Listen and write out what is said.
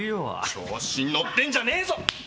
調子のってんじゃねえぞ！